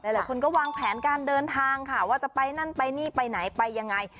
หลายคนก็วางแผนการเดินทางค่ะว่าจะไปนั่นไปนี่ไปไหนไปยังไง